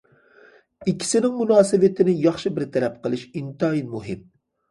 ئىككىسىنىڭ مۇناسىۋىتىنى ياخشى بىر تەرەپ قىلىش ئىنتايىن مۇھىم.